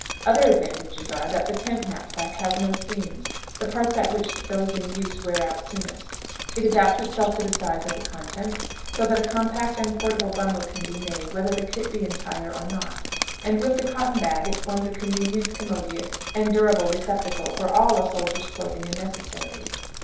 Other advantages are, that the tent knapsack has no seams, the parts at which those in use wear out soonest; it adapts itself to the size of the contents, so that a compact and portable bundle can be made, whether the kit be entire or not; and, with the cotton bag, it forms a convenient, commodious, and durable receptacle for all a soldier's clothing and necessaries.